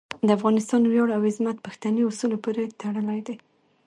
د افغانستان ویاړ او عظمت پښتني اصولو پورې تړلی دی.